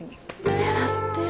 狙ってる。